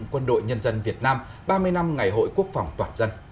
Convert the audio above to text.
quân đội nhân dân việt nam ba mươi năm ngày hội quốc phòng toàn dân